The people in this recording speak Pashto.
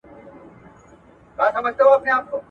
قلمي خط موخي ته د رسیدو نقشه ده.